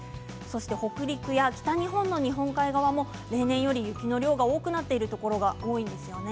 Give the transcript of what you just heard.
北陸や北日本の日本海側は例年より雪の量が多くなっているところが多いですね。